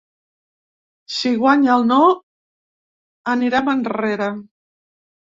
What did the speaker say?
Si guanya el no, anirem enrere.